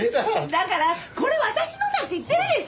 だからこれ私のだって言ってるでしょ！？